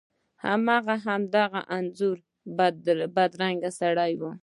هغه هماغه د انځور بدرنګه سړی و.